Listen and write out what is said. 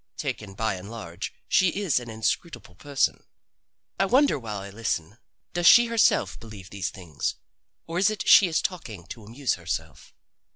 Taken by and large, she is an inscrutable person. I wonder while I listen, does she herself believe these things? or is she talking to amuse herself?